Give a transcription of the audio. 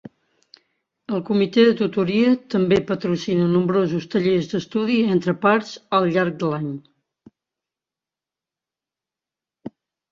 El Comitè de Tutoria també patrocina nombrosos tallers d'estudi entre pars al llarg de l'any.